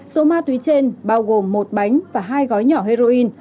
số ma túy trên bao gồm một bánh và hai gói nhỏ heroin